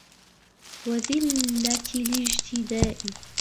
وَذِلَّةِ الِاجْتِدَاءِ